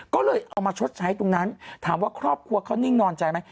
ก็เลยเอามาชดใช้ตรงนั้นถามว่าครอบครัวเขานิ่งนอนใจไหม